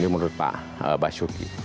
ini menurut pak basuki